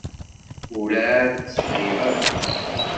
Ur εad tt-friɣ akk.